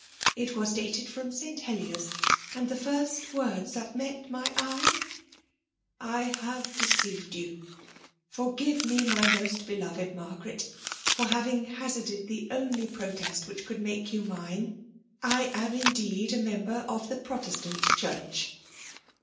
It was dated firom St Heliers ; and the first words that met my eye —' I have deceived you ! Forgive me^ my most beloved Margaret^ for having hazarded the only protest which could make you mine; — I am indeed a member of the Protestant church!'